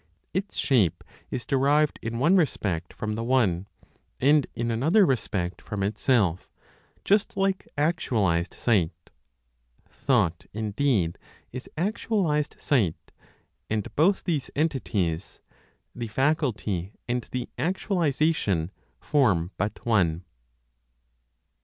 Its shape is derived in one respect from the one, and in another respect, from itself, just like actualized sight. Thought, indeed, is actualized sight, and both these entities (the faculty and the actualization) form but one.